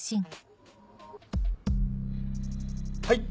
はい。